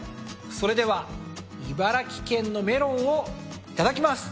それでは茨城県のメロンをいただきます。